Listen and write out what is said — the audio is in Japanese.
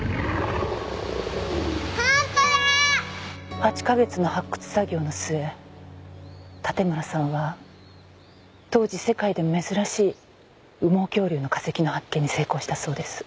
８か月の発掘作業の末盾村さんは当時世界でも珍しい羽毛恐竜の化石の発見に成功したそうです。